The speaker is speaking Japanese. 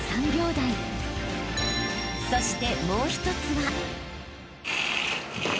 ［そして］